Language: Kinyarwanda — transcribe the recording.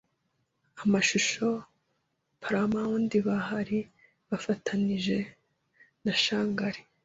Amashusho Paramowundi bahari bafatanije na Shangari